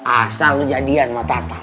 asal lo jadian sama tata